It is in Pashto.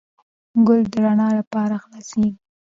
ګل د رڼا لپاره خلاصیږي.